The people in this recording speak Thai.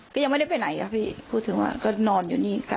ก็ยังไม่ได้ไปไหนค่ะพี่พูดถึงว่าก็นอนอยู่นี่ค่ะ